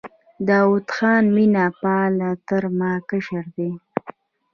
دوا خان مینه پال تر ما کشر دی.